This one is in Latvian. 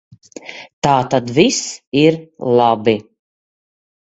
Tātad viss ir labi.